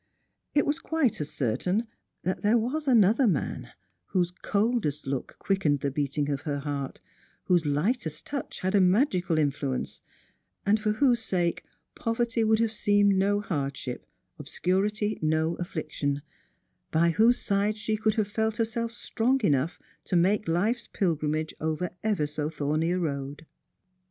It was quite as certain that there was another man whose coldest look quickened the beating of her heart, whose lightest touch had a magical influ ence ; for whose sake poverty would seem no hardship, obscurity no affliction ; by whose side she could have felt herself strong enough to make life's pilgrimage over ever so thorny a road.